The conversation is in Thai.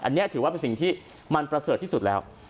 อันนี้ถือว่าเป็นสิ่งที่มันประเสริฐที่สุดแล้ว